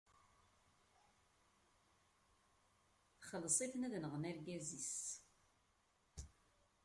Txelleṣ-iten ad nɣen argaz-is.